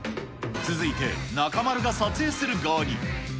続いて、中丸が撮影する側に。